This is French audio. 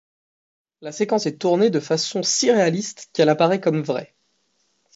La séquence est tournée de façon si réaliste qu’elle apparaît comme vraie.